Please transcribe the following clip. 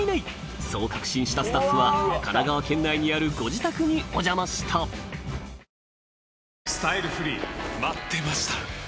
そう確信したスタッフは神奈川県内にあるご自宅にお邪魔した待ってました！